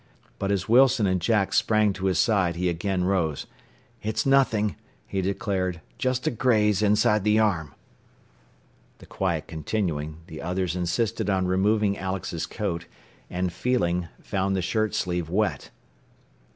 But as Wilson and Jack sprang to his side he again rose. "It's nothing," he declared. "Just a graze inside the arm." The quiet continuing, the others insisted on removing Alex's coat, and feeling, found the shirt sleeve wet.